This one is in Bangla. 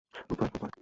Good boy, good boy.